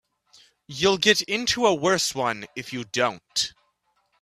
You'll get into a worse one if you don't.